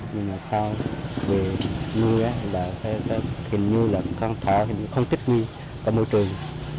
nhưng mà sau về nuôi hình như là con thỏ không thích như có môi trường